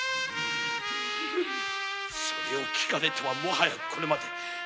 それを聞かれてはもはやこれまで。